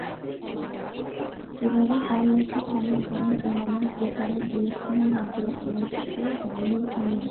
এভাবে তার লেখা অনেক গান বেনামে বেতারে গেয়েছিলেন আবদুল আলীম পুত্র জহির আলীম।